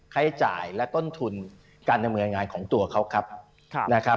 ใช้จ่ายและต้นทุนการดำเนินงานของตัวเขา